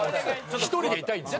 １人でいたいんですよ。